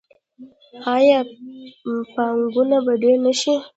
آیا پانګونه به ډیره نشي؟